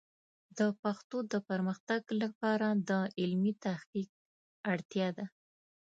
د پښتو د پرمختګ لپاره د علمي تحقیق اړتیا ده.